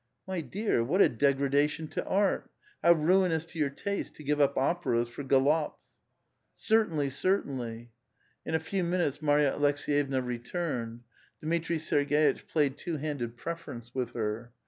"My dear! What a degradation to art! How ruinous to your taste to give up operas for galops !"" Ceitainlv, certainlv !" In a few minutes Marya Aleks6yevna returned. Dmitri Serg</iteh played two handed " preference" with her.